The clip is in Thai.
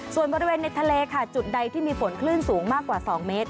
ส่วนบริเวณในทะเลค่ะจุดใดที่มีฝนคลื่นสูงมากกว่า๒เมตร